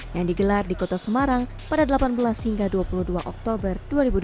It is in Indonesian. yang digelar di kota semarang pada delapan belas hingga dua puluh dua oktober dua ribu dua puluh